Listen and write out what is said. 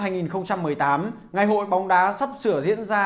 ngày hội bóng đá sắp sửa diễn ra